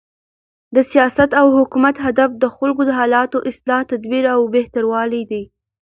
د سیاست او حکومت هدف د خلکو د حالاتو، اصلاح، تدبیر او بهتروالی دئ.